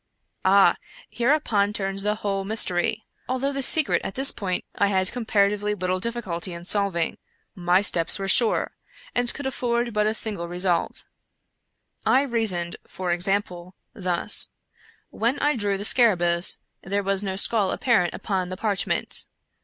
" Ah, hereupon turns the whole mystery ; although the 150 Ed^ar Allan Poe '^b> secret, at this point, I had comparatively Httle difficulty in solving. My steps were sure, and could afford but a single result. I reasoned, for example, thus : When I drew the scarabcrus, there was no skull apparent upon the parch ment.